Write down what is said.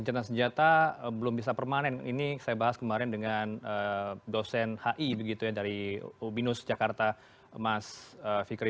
dan senjata belum bisa permanen ini saya bahas kemarin dengan dosen hi begitu ya dari ubinus jakarta mas fikri